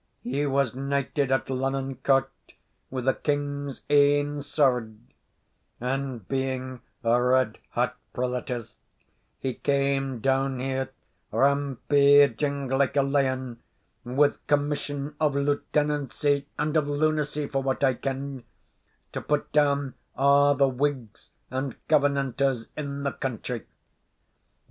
He was knighted at Lonon Court, wi' the king's ain sword; and being a red hot prelatist, he came down here, rampauging like a lion, with commission of lieutenancy (and of lunacy, for what I ken), to put down a' the Whigs and Covenanters in the country.